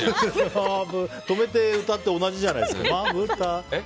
止めて歌って同じじゃないですか。